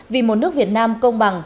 vì một nước việt nam công bằng